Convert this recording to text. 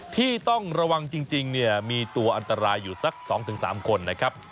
ที่ต้องระวังจริงเนี่ยมีตัวอันตรายอยู่สัก๒๓คนนะครับ